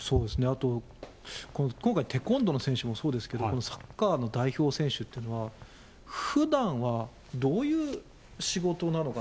そうですね、あと、この今回、テコンドーの選手もそうですけど、サッカーの代表選手っていうのは、ふだんはどういう仕事なのか。